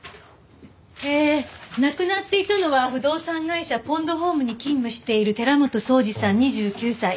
ええ亡くなっていたのは不動産会社ポンドホームに勤務している寺本壮治さん２９歳。